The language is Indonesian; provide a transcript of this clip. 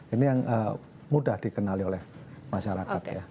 ini yang mudah dikenali oleh masyarakat ya